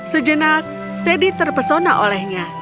sejenak teddy terpesona olehnya